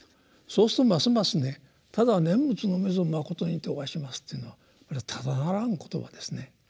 そうするとますますね「ただ念仏のみぞまことにておはします」っていうのはこれただならぬ言葉ですね。